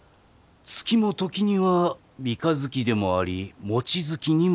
月も時には三日月でもあり望月にもなる。